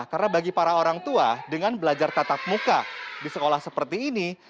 karena bagi para orang tua dengan belajar tetap muka di sekolah seperti ini